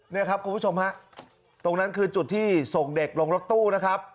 นี่ครับคุณผู้ชมฮะตรงนั้นคือจุดที่ส่งเด็กลงรถตู้นะครับ